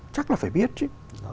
chắc là phải biết chứ